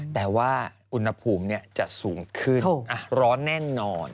แต่ว่าอุณหภูมิจะสูงขึ้นร้อนแน่นอน